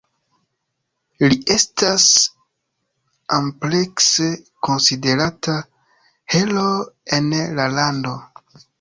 Li estas amplekse konsiderata heroo en la lando.